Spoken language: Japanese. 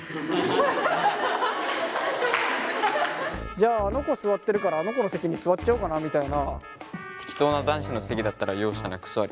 じゃああの子座ってるからあの子の席に座っちゃおうかなみたいな。